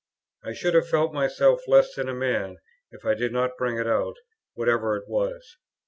I should have felt myself less than a man, if I did not bring it out, whatever it was.